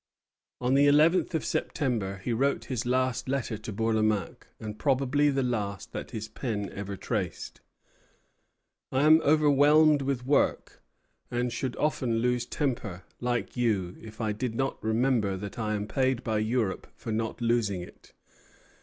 On the eleventh of September he wrote his last letter to Bourlamaque, and probably the last that his pen ever traced. "I am overwhelmed with work, and should often lose temper, like you, if I did not remember that I am paid by Europe for not losing it.